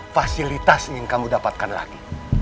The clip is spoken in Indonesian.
fasilitas yang kamu dapatkan lagi